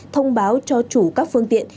thông báo cho chủ các phương tiện